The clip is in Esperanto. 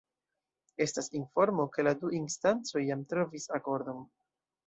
Estas informo, ke la du instancoj jam trovis akordon.